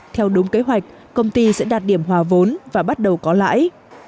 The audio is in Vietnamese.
theo đúng kế hoạch công ty sẽ đạt điểm hòa vốn và bắt đầu có lãi